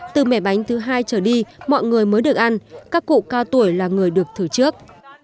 từ mẻ bánh thứ hai trở đi mọi người mới được ăn các cụ cao tuổi là người được thử trước